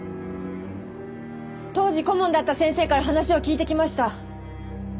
当時顧問だった先生から話を聞いてきました。